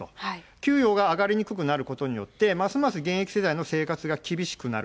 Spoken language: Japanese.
給与が上がりにくくなることによって、ますます現役世代の生活が厳しくなる。